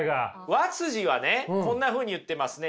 和はねこんなふうに言ってますね。